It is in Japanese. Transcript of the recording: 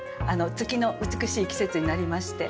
月の美しい季節になりまして。